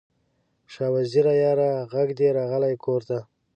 شاه وزیره یاره، ږغ دې راغلی کور ته